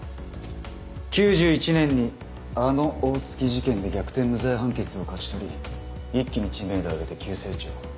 ９１年にあの大月事件で逆転無罪判決を勝ち取り一気に知名度を上げて急成長。